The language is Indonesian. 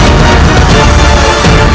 aku akan mencari penyelesaianmu